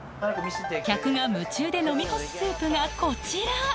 客が夢中で飲み干すスープがこちら！